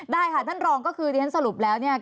ได้ค่ะท่านรองก็คือเรียนสรุปแล้ว